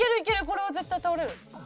これは絶対倒れる。